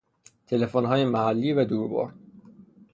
تلفنهای محلی و دور برد